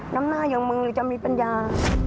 น้ำหน้าอย่างมึงเลยจะมีปัญญา